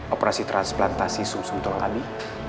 operasi transplantasi sum sum tolong abi